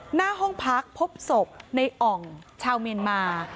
หน้าห้องพักพบศพในอ่องชาวเมียนมา